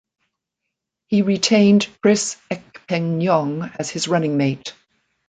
He retained Chris Ekpenyong as his running mate.